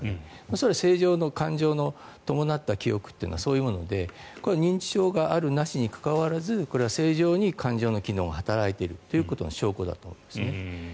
それは正常の感情の伴った記憶はそういうもので認知症があるなしにかかわらずこれは正常に感情の機能が働いているということの証拠だと思いますね。